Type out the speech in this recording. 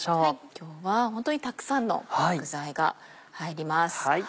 今日は本当にたくさんの具材が入ります。